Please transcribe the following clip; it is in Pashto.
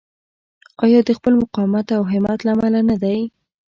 آیا د خپل مقاومت او همت له امله نه دی؟